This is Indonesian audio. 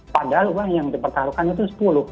padahal uang yang dipertaruhkannya itu sepuluh